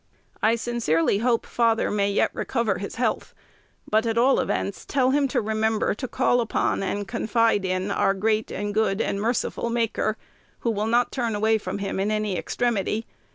I sincerely hope father may yet recover his health; but, at all events, tell him to remember to call upon and confide in our great and good and merciful Maker, who will not turn away from him in any extremity.